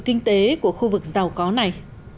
kinh tế của khu vực giàu có này